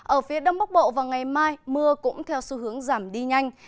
ở phía đông bắc bộ vào ngày mai mưa cũng theo xu hướng giảm đi nhanh